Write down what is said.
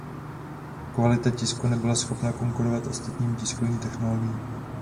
Kvalita tisku nebyla schopna konkurovat ostatním tiskovým technologiím.